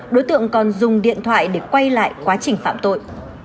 đối tượng còn dùng điện thoại để quay lại quá trình phạm tội